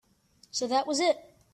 So that was it.